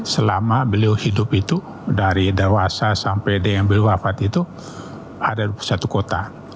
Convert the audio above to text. selama beliau hidup itu dari dewasa sampai diambil wafat itu ada satu kota